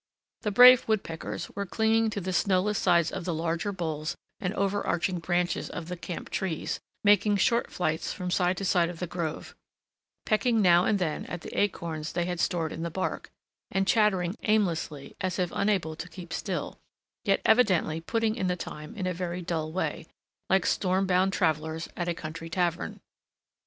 The brave woodpeckers were clinging to the snowless sides of the larger boles and overarching branches of the camp trees, making short nights from side to side of the grove, pecking now and then at the acorns they had stored in the bark, and chattering aimlessly as if unable to keep still, yet evidently putting in the time in a very dull way, like storm bound travelers at a country tavern.